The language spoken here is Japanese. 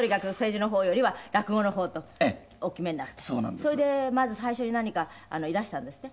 それでまず最初に何かいらしたんですって？